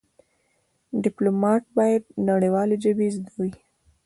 د ډيپلومات بايد نړېوالې ژبې زده وي.